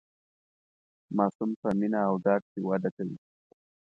ماسوم په مینه او ډاډ کې وده کوي.